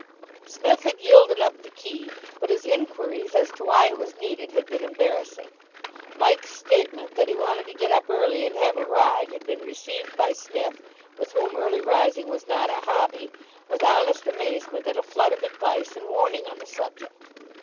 Psmith had yielded up the key, but his inquiries as to why it was needed had been embarrassing. Mike's statement that he wanted to get up early and have a ride had been received by Psmith, with whom early rising was not a hobby, with honest amazement and a flood of advice and warning on the subject.